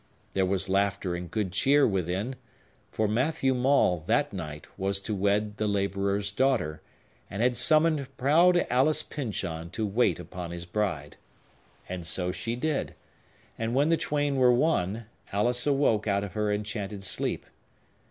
There was laughter and good cheer within; for Matthew Maule, that night, was to wed the laborer's daughter, and had summoned proud Alice Pyncheon to wait upon his bride. And so she did; and when the twain were one, Alice awoke out of her enchanted sleep.